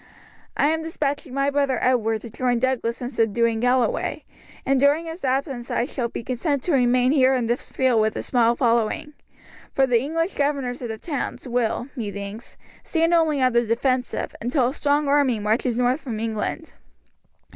I am despatching my brother Edward to join Douglas in subduing Galloway, and during his absence I shall be content to remain here in the field with a small following, for the English governors of the towns will, methinks, stand only on the defensive, until a strong army marches north from England.